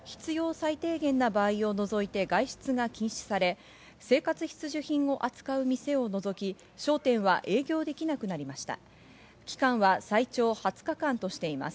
最低限な場合を除いて外出が禁止され、生活必需品を使わない商店を除き商店は営業できなくなりました。